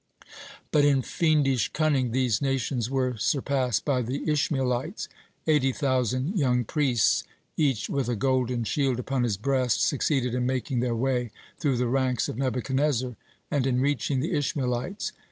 (52) But in fiendish cunning these nations were surpassed by the Ishmaelites. Eighty thousand young priests, each with a golden shield upon his breast, succeeded in making their way through the ranks of Nebuchadnezzar and in reaching the Ishmaelites.